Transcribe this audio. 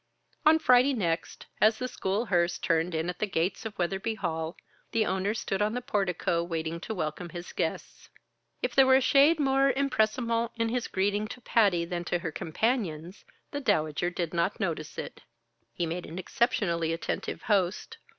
On Friday next, as the school hearse turned in at the gates of Weatherby Hall, the owner stood on the portico waiting to welcome his guests. If there were a shade more empressement in his greeting to Patty than to her companions, the Dowager did not notice it. He made an exceptionally attentive host.